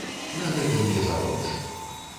На гэтым не заробіш.